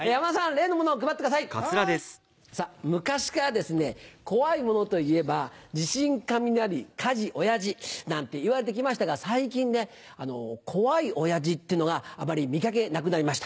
さぁ昔からですね怖いものといえば「地震雷火事親父」なんていわれて来ましたが最近ね怖い親父ってのがあまり見掛けなくなりました。